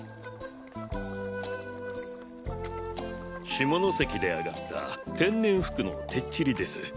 下関であがった天然ふくのてっちりです。